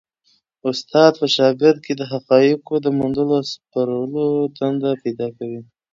استاد په شاګرد کي د حقایقو د موندلو او سپړلو تنده پیدا کوي.